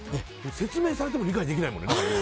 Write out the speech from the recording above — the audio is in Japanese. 説明されても理解できないもん。